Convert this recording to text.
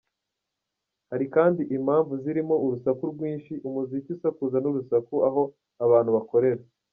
Hari kandi impamvu zirimo urusaku rwinshi, umuziki usakuza n’urusaku aho abantu bakorera.